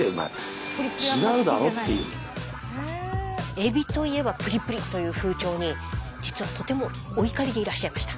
エビといえばプリプリという風潮に実はとてもお怒りでいらっしゃいました。